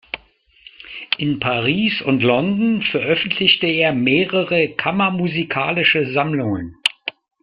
In Paris und London veröffentlichte er mehrere kammermusikalische Sammlungen.